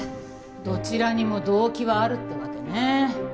どちらにも動機はあるってわけね。